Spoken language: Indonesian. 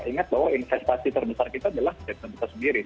ingat bahwa investasi terbesar kita adalah statement kita sendiri